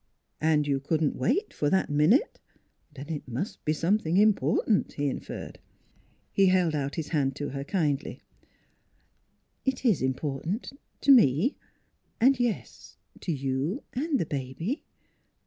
" And you couldn't wait for that minute ? Then it must be something important," he in ferred. He held out his hand to her kindly. 150 NEIGHBORS " It is important to me; and, yes, to you and the baby."